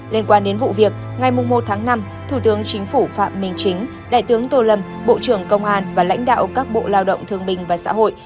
liên quan đến vụ việc ngày một tháng năm thủ tướng chính phủ phạm minh chính đại tướng tô lâm bộ trưởng công an và lãnh đạo các bộ lao động thương bình và xã hội